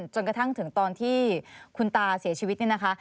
จนกระทั่งถึงตอนที่คุณตาเสียชีวิตเนี่ยนะคะ